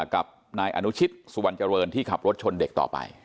กับนายอนุชิตสุวรรณเจริญที่ขับรถชนเด็กต่อไป